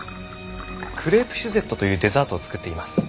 クレープシュゼットというデザートを作っています。